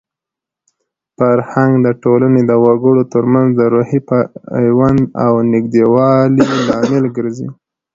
فرهنګ د ټولنې د وګړو ترمنځ د روحي پیوند او د نږدېوالي لامل ګرځي.